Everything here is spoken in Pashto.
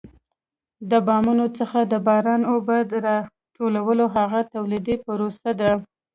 د بامونو څخه د باران اوبه را ټولول هغه تولیدي پروسه ده.